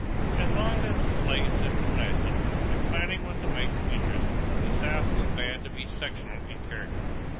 = As long as the slave system lasted and planting was the major interest, the South was bound to be sectional in character.